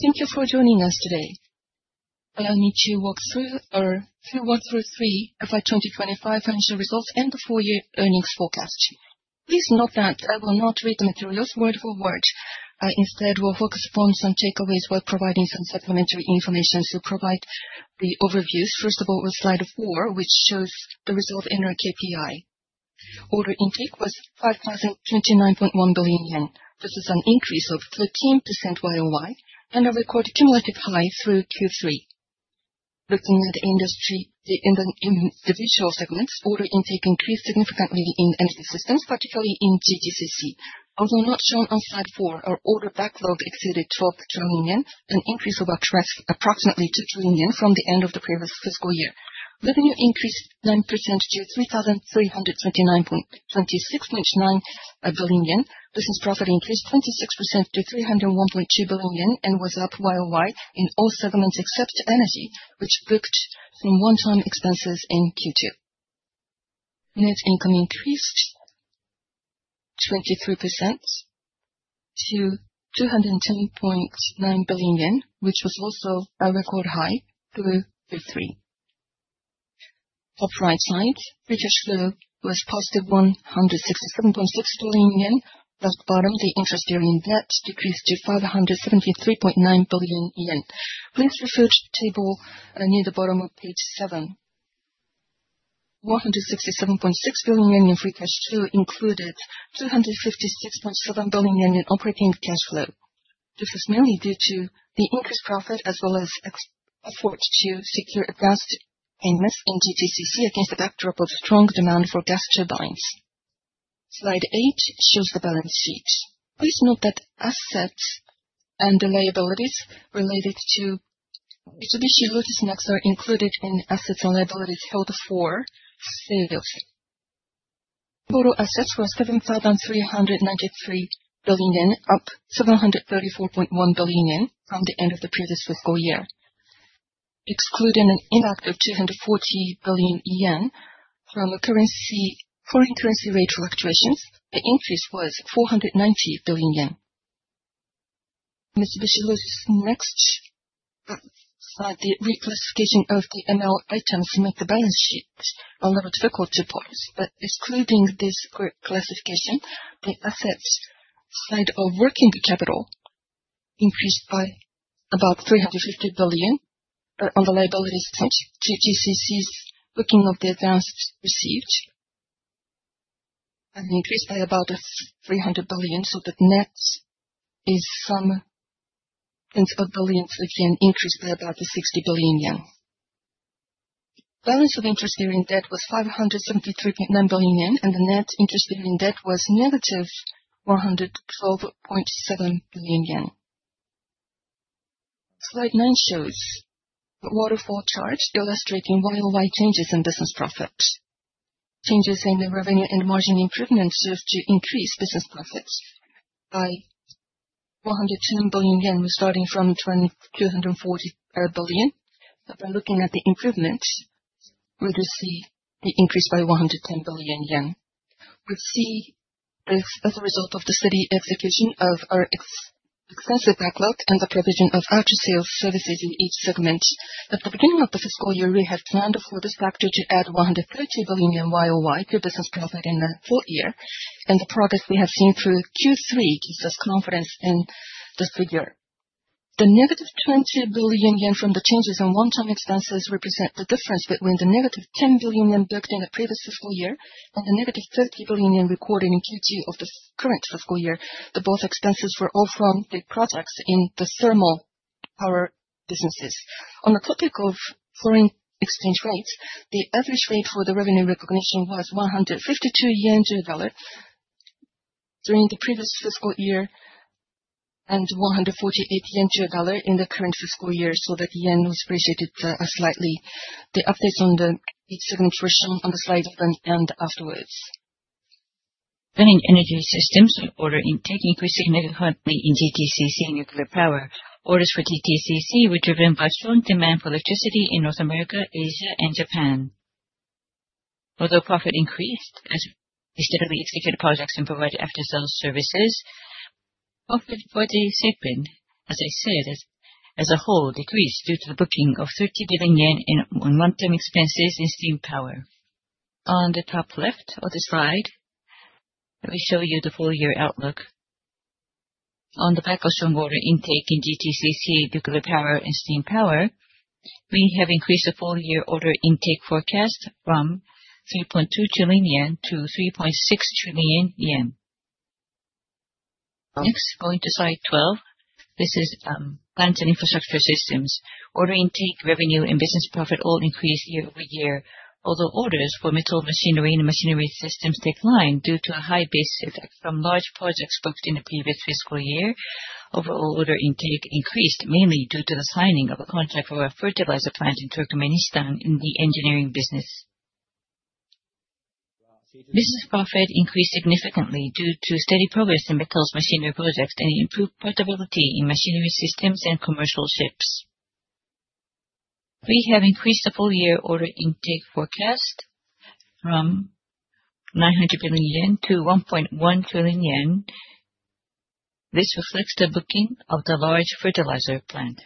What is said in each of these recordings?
Thank you for joining us today. Let me walk through our, through 1 through 3 of our 2025 financial results and the full year earnings forecast. Please note that I will not read the materials word for word, instead, we'll focus upon some takeaways while providing some supplementary information to provide the overviews. First of all, with slide 4, which shows the results in our KPI. Order intake was 5,029.1 billion yen. This is an increase of 13% YoY, and a record cumulative high through Q3. Looking at industry, the individual segments, order intake increased significantly in Energy Systems, particularly in GTCC. Although not shown on slide 4, our order backlog exceeded 12 trillion yen, an increase of approximately 2 trillion yen from the end of the previous fiscal year. Revenue increased 9% to 3,329.269 billion yen. Business profit increased 26% to 301.2 billion, and was up Y-o-Y in all segments except energy, which booked some one-time expenses in Q2. Net income increased 23% to 210.9 billion yen, which was also a record high through Q3. Top right side, free cash flow was positive JPY 167.6 billion. At the bottom, interest-bearing debt decreased to 573.9 billion yen. Please refer to the table near the bottom of page 7. 167.6 billion yen in free cash flow included 256.7 billion yen in operating cash flow. This is mainly due to the increased profit, as well as extra efforts to secure advanced payments in GTCC against the backdrop of strong demand for gas turbines. Slide 8 shows the balance sheet. Please note that assets and the liabilities related to Mitsubishi Logisnext are included in assets and liabilities held for sale. Total assets were 7,393 billion yen, up 734.1 billion yen from the end of the previous fiscal year. Excluding an impact of 240 billion yen from a currency foreign currency rate fluctuations, the increase was 490 billion yen. Mitsubishi Logisnext, the reclassification of the ML items to make the balance sheet a little difficult to parse, but excluding this group classification, the assets side of working capital increased by about 350 billion, on the liabilities side, GTCC's booking of the advances received an increase by about 300 billion. So the net is some tens of billions, which can increase by about 60 billion yen. Balance of interest-bearing debt was 573.9 billion yen, and the net interest-bearing debt was -JPY 112.7 billion. Slide nine shows the waterfall chart illustrating YoY changes in business profit. Changes in the revenue and margin improvements served to increase business profits by 110 billion yen, starting from 2,240 billion. By looking at the improvement, we will see the increase by 110 billion yen. We see this as a result of the steady execution of our extensive backlog and the provision of after-sale services in each segment. At the beginning of the fiscal year, we had planned for this factor to add 130 billion Y-o-Y to business profit in the full year, and the progress we have seen through Q3 gives us confidence in this figure. The negative 20 billion yen from the changes in one-time expenses represent the difference between the negative 10 billion yen booked in the previous fiscal year and the negative 30 billion yen recorded in Q2 of the current fiscal year, that both expenses were all from the projects in the Thermal Power businesses. On the topic of foreign exchange rates, the average rate for the revenue recognition was 152 yen to the dollar during the previous fiscal year, and 148 yen to a dollar in the current fiscal year, so that yen was appreciated slightly. The updates on each segment were shown on the slides at the end afterwards. Then in energy systems order intake increased significantly in GTCC Nuclear Power. Orders for GTCC were driven by strong demand for electricity in North America, Asia and Japan. Although profit increased as we steadily executed projects and provided after-sale services, profit for the segment, as I said, as, as a whole, decreased due to the booking of 30 billion yen in one-time expenses in Steam Power. On the top left of the slide, let me show you the full year outlook. On the back of strong order intake in GTCC, Nuclear Power and Steam Power, we have increased the full year order intake forecast from 3.2 trillion yen to 3.6 trillion yen. Next, going to slide 12. This is Plants and Infrastructure Systems. Order intake, revenue and business profit all increased year-over-year. Although orders for Metals Machinery and Machinery Systems declined due to a high base effect from large projects booked in the previous fiscal year, overall order intake increased, mainly due to the signing of a contract for a fertilizer plant in Turkmenistan in the engineering business. Business profit increased significantly due to steady progress in Metals Machinery projects and improved profitability in Machinery Systems and Commercial Ships. We have increased the full-year order intake forecast from 900 billion yen to 1.1 trillion yen. This reflects the booking of the large fertilizer plant.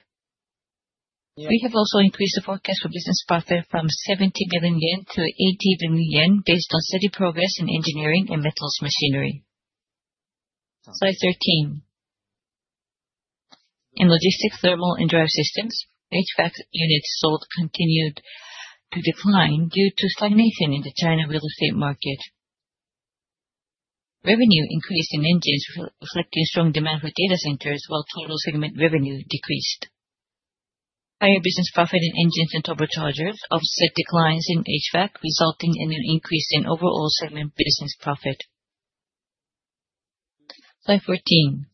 We have also increased the forecast for business profit from 70 billion yen to 80 billion yen, based on steady progress in Engineering and Metals Machinery. Slide 13. In Logistics, Thermal and Drive Systems, HVAC units sold continued to decline due to stagnation in the China real estate market. Revenue increased in Engines, reflecting strong demand for data centers, while total segment revenue decreased. Higher business profit in Engines and Turbochargers offset declines in HVAC, resulting in an increase in overall segment business profit. Slide 14.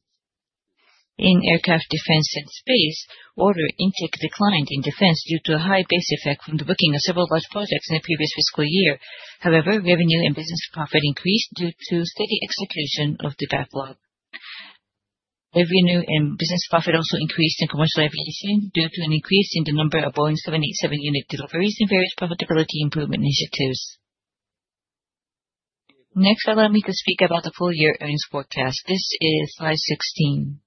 In Aircraft, Defense and Space, order intake declined in Defense due to a high base effect from the booking of several large projects in the previous fiscal year. However, revenue and business profit increased due to steady execution of the backlog. Revenue and business profit also increased in Commercial Aviation due to an increase in the number of Boeing 787 unit deliveries and various profitability improvement initiatives. Next, allow me to speak about the full year earnings forecast. This is slide 16.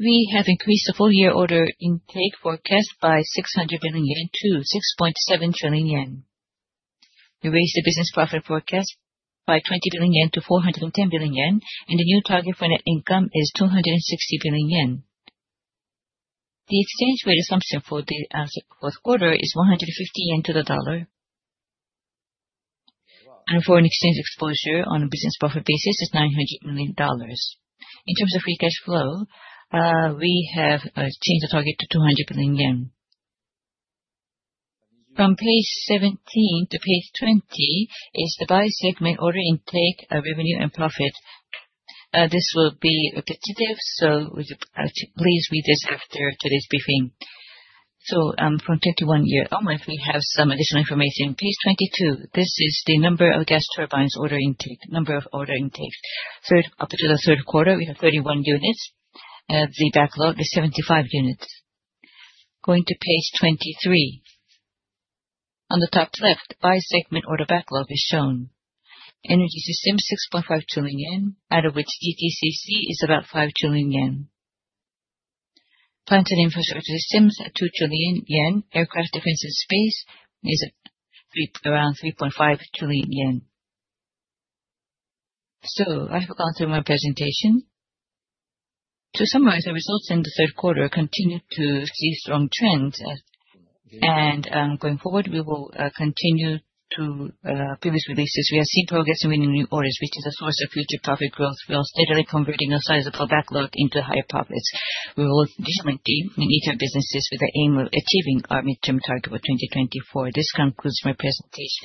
We have increased the full year order intake forecast by 600 billion yen to 6.7 trillion yen. We raised the business profit forecast by 20 billion yen to 410 billion yen, and the new target for net income is 260 billion yen. The exchange rate assumption for the fourth quarter is 150 yen to the dollar. Foreign exchange exposure on a business profit basis is $900 million. In terms of free cash flow, we have changed the target to 200 billion yen. From page 17 to page 20 is the by segment order intake, revenue and profit. This will be repetitive, so would you please read this after today's briefing. From Page 21 onward, we have some additional information. Page 22, this is the number of gas turbines order intake, number of order intakes. Third, up until the third quarter, we have 31 units, and the backlog is 75 units. Going to page 23. On the top left, by segment order backlog is shown. Energy Systems, 6.5 trillion yen, out of which GTCC is about 5 trillion yen. Plants and Infrastructure Systems at 2 trillion yen. Aircraft, Defense and Space is at 3- around 3.5 trillion yen. So I have gone through my presentation. To summarize, the results in the third quarter continued to see strong trends. Going forward, we will continue to previous releases. We have seen progress and winning new orders, which is a source of future profit growth. We are steadily converting a sizable backlog into higher profits. We will diligently in each of businesses with the aim of achieving our midterm target for 2024. This concludes my presentation.